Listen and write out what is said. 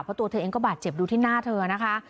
เพราะตัวเธอเองก็บาดเจ็บดูที่หน้าเธอนะคะ